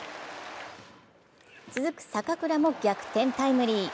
続く坂倉も逆転タイムリー。